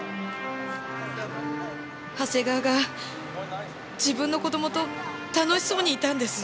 長谷川が自分の子供と楽しそうにいたんです。